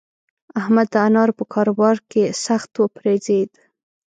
احمد د انارو په کاروبار کې سخت وپرځېد.